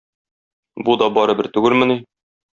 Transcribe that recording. Бу да барыбер түгелмени?